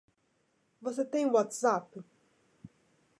Você tem WhatsApp?